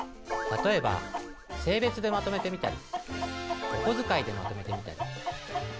例えば性別でまとめてみたりおこづかいでまとめてみたり。